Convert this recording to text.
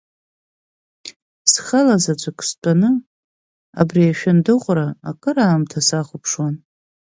Схала заҵәык стәаны, абри ашәындыҟәра, акыраамҭа сахәаԥшуан.